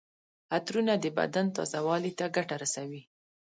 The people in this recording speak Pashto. عطرونه د بدن تازه والي ته ګټه رسوي.